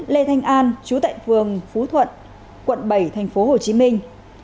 bốn lê thanh an trú tại phường phú thuận quận bảy tp hồ chí minh